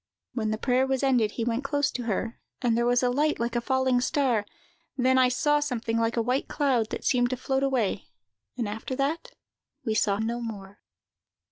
"When the prayer was ended, he went close to her, and there was a light like a falling star; then I saw something like a white cloud, that seemed to float away: and after that, we saw no more."